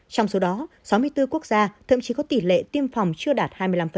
trong số đó sáu mươi bốn quốc gia thậm chí có tỷ lệ tiêm phòng chưa đạt hai mươi năm